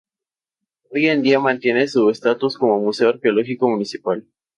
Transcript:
Hoy en día mantiene su estatus como Museo Arqueológico Municipal.